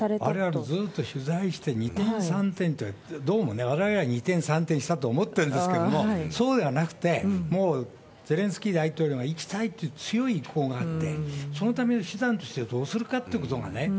あれはずっと取材して、二転三転、われわれはどうも二転三転したと思ってんですけど、そうではなくて、もうゼレンスキー大統領が行きたいって、強い意向があって、そのための手段としてどうするかということがね。